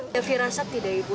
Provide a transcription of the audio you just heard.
ada firasat tidak ibu